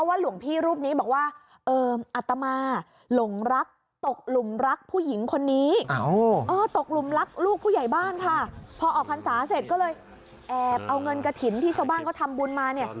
แอบเอาเงินกระถิ่นที่ชาวบ้านเขาทำบุญมา